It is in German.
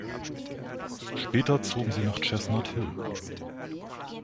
Später zogen sie nach Chestnut Hill.